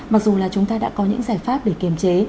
mặc dù là chúng ta đã có những giải pháp để kiềm chế